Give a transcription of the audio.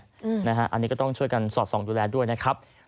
อันนี้ก็ต้องช่วยกันสอดส่องดูแลด้วยนะครับ